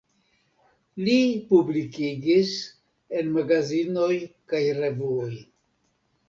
Li publikigis en magazinoj kaj revuoj.